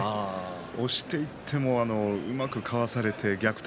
押していってもうまくかわされて逆転